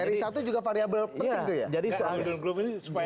dari satu juga variable penting tuh ya